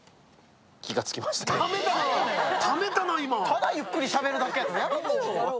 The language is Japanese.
ただゆっくりしゃべるだけ、やめてよ。